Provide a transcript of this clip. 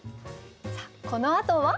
さあこのあとは？